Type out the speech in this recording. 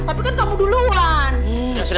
tapi kan kamu duluan